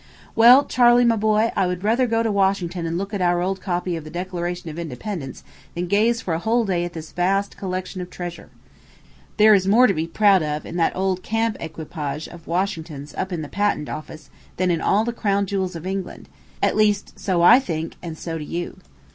Well, Charley, my boy, I would rather go to Washington and look at our old copy of the Declaration of Independence than gaze for a whole day at this vast collection of treasure. There is more to be proud of in that old camp equipage of Washington's up in the patent office than in all the crown jewels of England at least, so I think, and so do you.